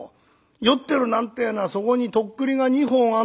酔ってるなんてえのはそこにとっくりが２本あるだろ。